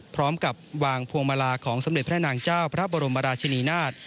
พร้อมกับวางพวงมาลาของสมเด็จพระนางเจ้าพระบรมราชินีนาฏ